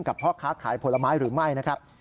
พ่อค้าขายผลไม้หรือไม่นะครับ